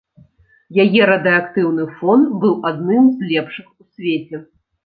Яе радыеактыўны фон быў адным з лепшых у свеце.